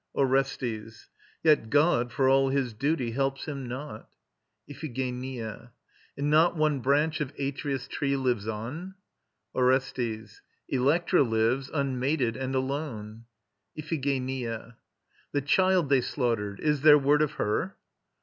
ORESTES. Yet God, for all his duty, helps him not. IPHIGENIA. And not one branch of Atreus' tree lives on? ORESTES. Electra lives, unmated and alone. IPHIGENIA. The child they slaughtered ... is there word of her?